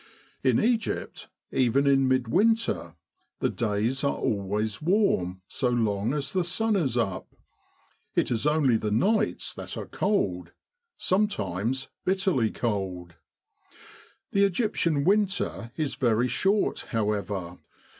In Egypt, even in mid winter, the days are always warm so long as the sun is up. It is only the nights that are cold, sometimes bitterly cold. The Egyptian winter is very short, however.